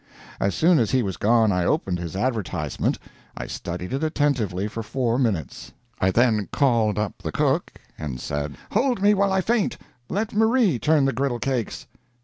As soon as he was gone I opened his advertisement. I studied it attentively for four minutes. I then called up the cook, and said: "Hold me while I faint! Let Marie turn the griddle cakes."